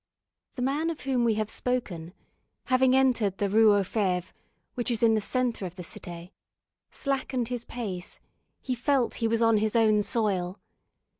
The man of whom we have spoken, having entered the Rue aux Fêves, which is in the centre of the Cité, slackened his pace: he felt he was on his own soil.